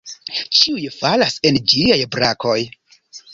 Ĉiuj falas en ĝiaj brakoj.